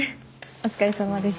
お疲れさまです。